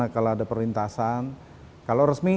kalau ada perlintasan kalau resmi